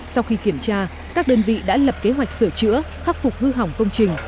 sau khi kiểm tra các đơn vị đã lập kế hoạch sửa chữa khắc phục hư hỏng công trình